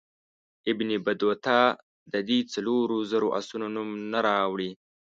ابن بطوطه د دې څلورو زرو آسونو نوم نه راوړي.